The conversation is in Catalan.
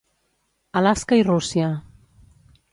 Alaska i Rússia.